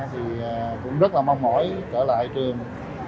thì cũng rất là mong mỏi trở lại trường